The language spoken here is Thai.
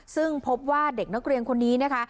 ซึ่งพบว่าเด็กนักเรียนคนนี้นะคะ